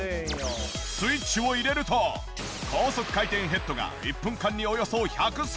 スイッチを入れると高速回転ヘッドが１分間におよそ１３０回転。